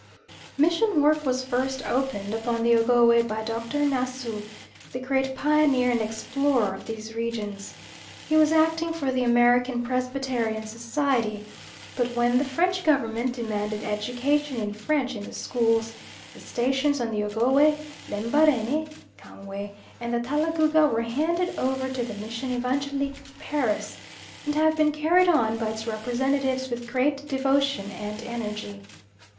Mission work was first opened upon the Ogowe by Dr. Nassau, the great pioneer and explorer of these regions. He was acting for the American Presbyterian Society; but when the French Government demanded education in French in the schools, the stations on the Ogowe, Lembarene (Kangwe), and Talagouga were handed over to the Mission Evangelique of Paris, and have been carried on by its representatives with great devotion and energy.